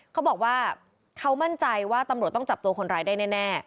เขาบอกว่าเขามั่นใจว่าตำรวจต้องจับตัวคนร้ายได้แน่